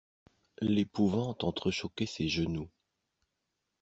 L'épouvante entrechoquait ses genoux.